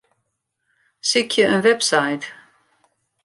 Sykje in website.